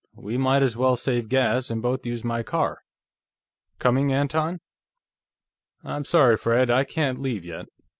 "We might as well save gas and both use my car. Coming, Anton?" "I'm sorry, Fred; I can't leave, yet.